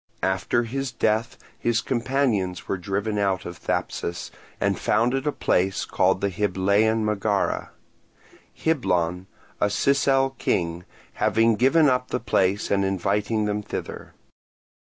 After his death his companions were driven out of Thapsus, and founded a place called the Hyblaean Megara; Hyblon, a Sicel king, having given up the place and inviting them thither.